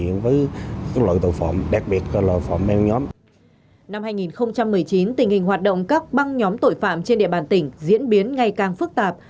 năm hai nghìn một mươi chín tình hình hoạt động các băng nhóm tội phạm trên địa bàn tỉnh diễn biến ngày càng phức tạp